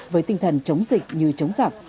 với tinh thần chống dịch như chống giặc